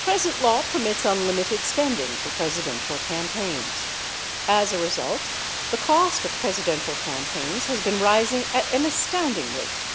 Present law permits unlimited spending for Presidential campaigns. As a result, the cost of Presidential campaigns has been rising at an astounding rate.